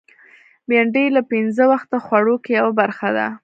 بېنډۍ له پینځه وخته خوړو کې یوه برخه ده